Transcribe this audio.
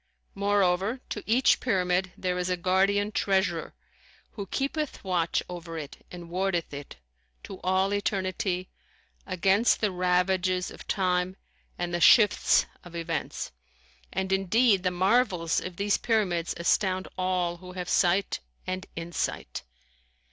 Moreover, to each Pyramid there is a guardian treasurer who keepeth watch over it and wardeth it, to all eternity, against the ravages of time and the shifts of events; and indeed the marvels of these Pyramids astound all who have sight and insight.